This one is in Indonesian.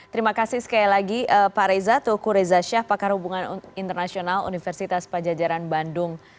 terima kasih sekali lagi pak reza tuku reza syah pakar hubungan internasional universitas pajajaran bandung